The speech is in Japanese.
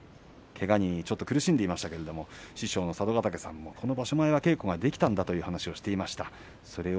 けがに苦しんでいましたけれども師匠の佐渡ヶ嶽さんも場所前は稽古ができたんだということを話していました。